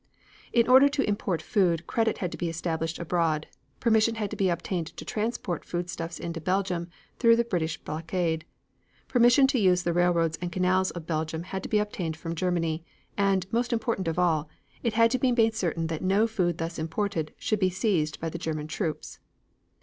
In order to import food, credit had to be established abroad, permission had to be obtained to transport food stuffs into Belgium through the British blockade. Permission to use the railroads and canals of Belgium had to be obtained from Germany, and, most important of all, it had to be made certain that no food thus imported should be seized by the German troops.